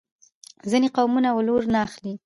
ځینې قومونه ولور نه اخلي.